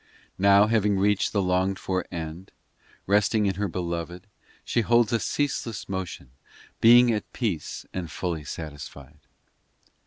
VIII Now having reached The longed for end, Resting in her Beloved, she holds A ceaseless motion, Being at peace and fully satisfied.